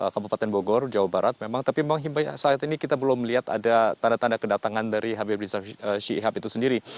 kabupaten bogor jawa barat memang tapi memang hingga saat ini kita belum melihat ada tanda tanda kedatangan dari habib rizik syihab itu sendiri